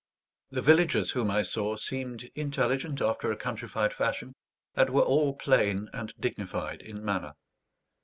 The villagers whom I saw seemed intelligent after a countrified fashion, and were all plain and dignified in manner.